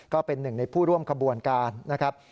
ก็เป็นหนึ่งในผู้ร่วมขบวนการนะครับ